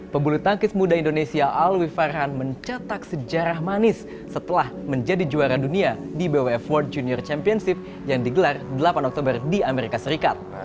pebulu tangkis muda indonesia alwi farhan mencetak sejarah manis setelah menjadi juara dunia di bwf world junior championship yang digelar delapan oktober di amerika serikat